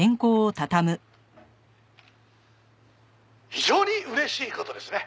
「非常に嬉しい事ですね！